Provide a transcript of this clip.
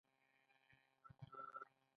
ایا لاسونه مینځي؟